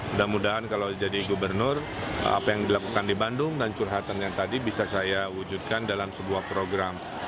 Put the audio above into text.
mudah mudahan kalau jadi gubernur apa yang dilakukan di bandung dan curhatan yang tadi bisa saya wujudkan dalam sebuah program